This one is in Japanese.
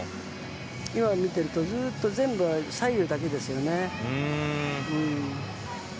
今の見ていると全部、左右だけですよね。